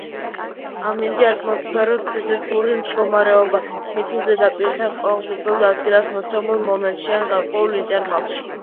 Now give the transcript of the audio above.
ამინდი — ატმოსფეროს ფიზიკური მდგომარეობა მიწის ზედაპირთან კონკრეტულ ადგილას მოცემულ მომენტში ან გარკვეულ ინტერვალში